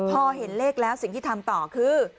พอเห็นเลขแล้วสิ่งที่ทำต่อคือ